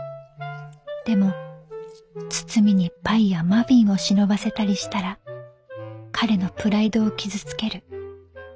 でも包みにパイやマフィンを忍ばせたりしたら彼のプライドを傷つける。